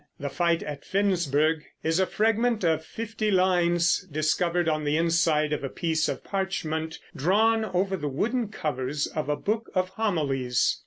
The "Fight at Finnsburgh" is a fragment of fifty lines, discovered on the inside of a piece of parchment drawn over the wooden covers of a book of homilies.